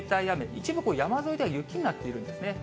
一部山沿いでは雪になっているんですね。